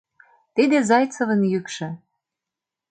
— Тиде Зайцевын йӱкшӧ!